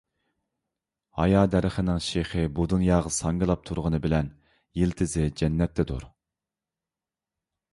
ھايا دەرىخىنىڭ شېخى بۇ دۇنياغا ساڭگىلاپ تۇرغىنى بىلەن يىلتىزى جەننەتتىدۇر.